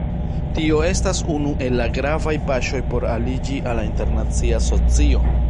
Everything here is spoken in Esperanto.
Tio estas unu el la gravaj paŝoj por aliĝi al la internacia socio.